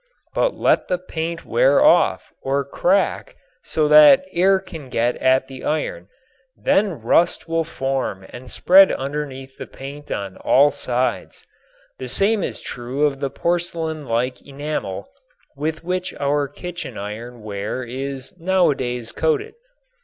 But let the paint wear off or crack so that air can get at the iron, then rust will form and spread underneath the paint on all sides. The same is true of the porcelain like enamel with which our kitchen iron ware is nowadays coated.